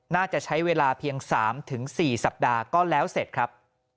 น่าจะใช้เวลาเพียง๓๔สัปดาห์ก็แล้วเสร็จครับ